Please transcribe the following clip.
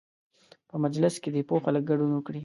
په مجلس کې دې پوه خلک ګډون وکړي.